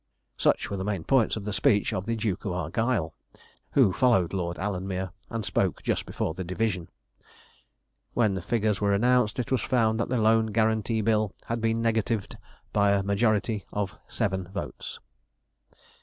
Such were the main points in the speech of the Duke of Argyle, who followed Lord Alanmere, and spoke just before the division. When the figures were announced, it was found that the Loan Guarantee Bill had been negatived by a majority of seven votes.